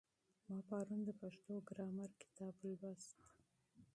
ما پرون د پښتو ګرامر کتاب لوست.